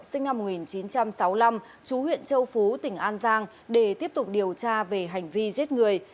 sinh năm một nghìn chín trăm sáu mươi năm chú huyện châu phú tỉnh an giang để tiếp tục điều tra về hành vi giết người